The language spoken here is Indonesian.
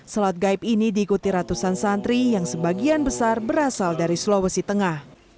sholat gaib ini diikuti ratusan santri yang sebagian besar berasal dari sulawesi tengah